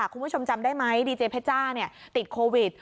คุณผู้ชมจำได้ไหมดีเจเพชจ้าติดโควิด